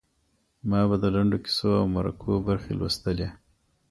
ما به د لنډو کیسو او مرکو برخې لوستلې.